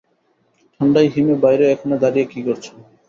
ঠাণ্ডায় হিমে বাইরে এখানে দাঁড়িয়ে কী করছ?